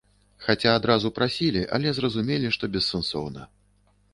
Хаця адразу прасілі, але зразумелі, што бессэнсоўна.